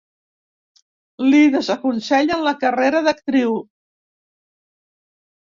Li desaconsellen la carrera d'actriu.